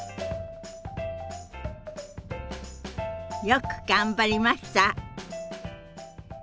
よく頑張りました。